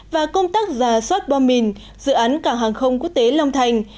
và công tác giả soát bom mìn dự án cảng hàng không quốc tế long thành